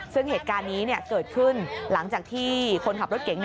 ซึ่งเหตุการณ์นี้เกิดขึ้นหลังจากที่คนขับรถเก๋ง